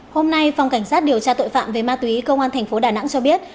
hôm nay phòng cảnh sát điều tra tội phạm về ma túy công an thành phố đà nẵng cho biết